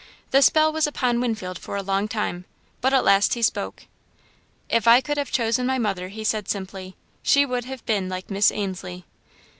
The spell was upon Winfield for a long time, but at last he spoke. "If I could have chosen my mother," he said, simply, "she would have been like Miss Ainslie."